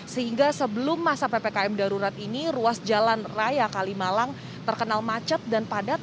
sehingga sebelum masa ppkm darurat ini ruas jalan raya kalimalang terkenal macet dan padat